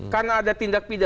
karena ada tindak pidana